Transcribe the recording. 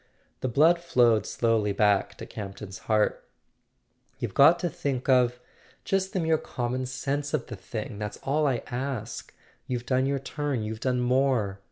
The blood flowed slowly back to Campton's heart. "You've got to think of—just the mere common sense of the thing. That's all I ask. You've done your turn; you've done more.